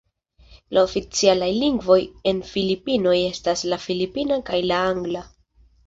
La oficialaj lingvoj en Filipinoj estas la filipina kaj la angla.